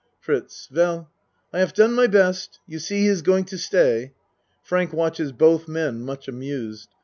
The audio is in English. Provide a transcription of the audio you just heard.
FRITZ Veil I haf done my best you see he is going to stay. (Frank watches both men, much amused.